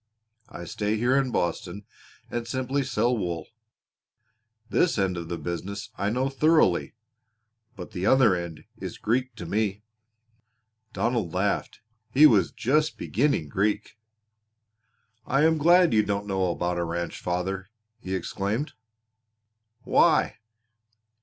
I stay here in Boston and simply sell wool. This end of the business I know thoroughly, but the other end is Greek to me." Donald laughed. He was just beginning Greek. "I am glad you don't know about a ranch, father," he exclaimed. "Why?"